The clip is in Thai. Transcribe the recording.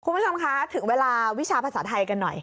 คุณผู้ชมคะถึงเวลาวิชาภาษาไทยกันหน่อย